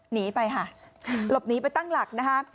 หนีไปค่ะหลบหนีไปตั้งหลักนะคะ